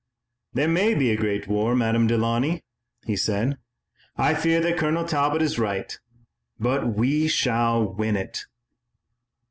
"There may be a great war, Madame Delaunay," he said, "I fear that Colonel Talbot is right, but we shall win it."